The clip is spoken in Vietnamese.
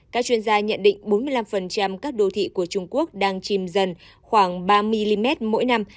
các chuyên gia nhận định bốn mươi năm các đô thị của trung quốc đang chìm dần khoảng ba mm mỗi năm